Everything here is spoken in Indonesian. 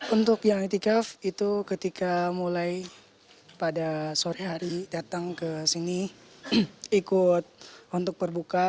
untuk yang itikaf itu ketika mulai pada sore hari datang ke sini ikut untuk berbuka